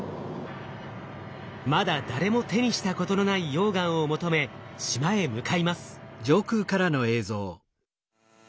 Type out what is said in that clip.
まだ誰も手にしたことのない溶岩を求め島へ向かいます。